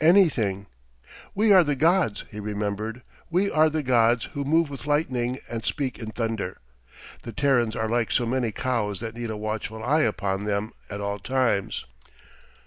Anything! _We are the gods, he remembered. We are the gods who move with lightning and speak in thunder. The Terrans are like so many cows that need a watchful eye upon them at all times...